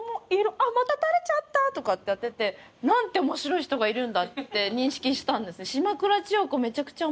「あっまたたれちゃった」とかってやっててなんて面白い人がいるんだって認識したんです。